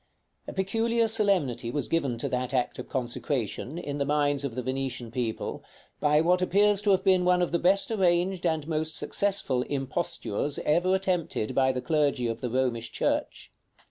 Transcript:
A peculiar solemnity was given to that act of consecration, in the minds of the Venetian people, by what appears to have been one of the best arranged and most successful impostures ever attempted by the clergy of the Romish church.